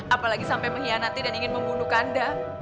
apalagi sampai mengkhianati dan ingin membunuh anda